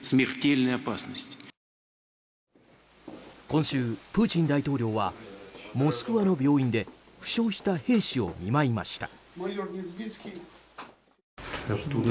今週、プーチン大統領はモスクワの病院で負傷した兵士を見舞いました。